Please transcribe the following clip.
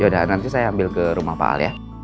sudah nanti saya ambil ke rumah pak al ya